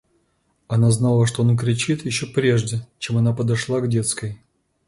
Она знала, что он кричит, еще прежде, чем она подошла к детской.